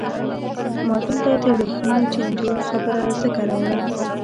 ما دلته د ورېښمو چینجیو خبره ځکه راوړه.